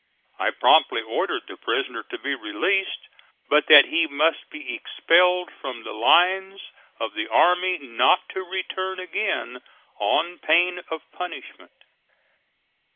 I promptly ordered the prisoner to be released, but that he must be expelled from the lines of the army not to return again on pain of punishment.